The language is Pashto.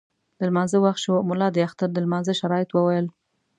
د لمانځه وخت شو، ملا د اختر د لمانځه شرایط وویل.